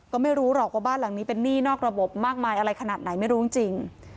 ก็ไม่รู้หรอกว่าบ้านหลังนี้เป็นหนี้นอกระบบมากมายอะไรขนาดไหนไม่รู้จริง